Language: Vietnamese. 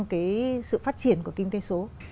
cái sự phát triển của kinh tế số